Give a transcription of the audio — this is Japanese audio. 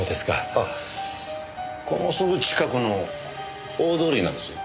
ああこのすぐ近くの大通りなんですよ。